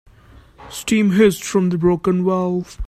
Steam hissed from the broken valve.